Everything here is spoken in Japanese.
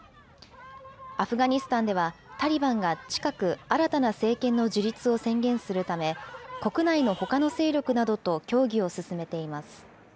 アフガニスタンではタリバンが近く、新たな政権の樹立を宣言するため、国内のほかの勢力などと協議を進めています。